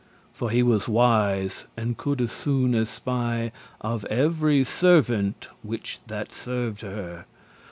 For he was wise, and coulde soon espy Of every servant which that served her.